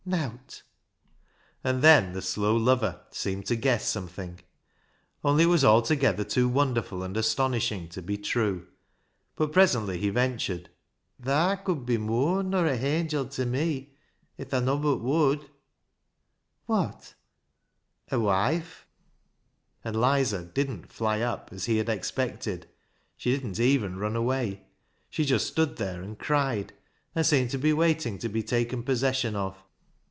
ISAAC'S ANGEL 277 And then the slow lover seemed to guess something, only it was altogether too wonderful and astonishing to be true ; but presently he ventured —" Thaa could be mooar nor a hangil ta me if thaa nobbut wod." " Wot ?"" A woife." And "Lizer" didn't "fly up," as he had expected ; she didn't even run away. She just stood there and cried, and seemed to be waiting to be taken possession of.